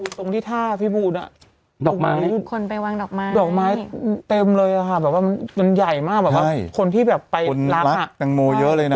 ตรงที่ท่าพี่บู๊ดดอกไม้เต็มเลยอะค่ะมันใหญ่มากคนที่แบบไปรับค่ะ